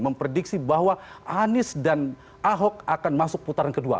memprediksi bahwa anies dan ahok akan masuk putaran kedua